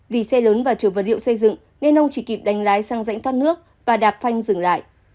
vì xe lớn và trở vật liệu xây dựng nên ông chỉ kịp đánh lái sang rãnh thoát nước và đạp phanh dừng lại